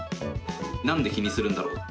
なんで気にするんだろう。